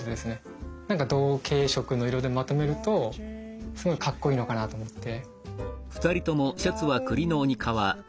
なんか同系色の色でまとめるとすごいかっこいいのかなと思って。